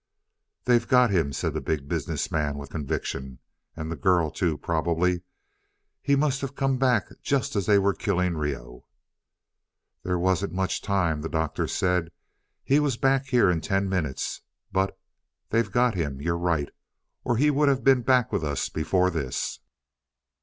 "They've got him," said the Big Business Man with conviction. "And the girl too, probably. He must have come back just as they were killing Reoh." "There wasn't much time," the Doctor said. "He was back here in ten minutes. But they've got him you're right or he would have been back with us before this."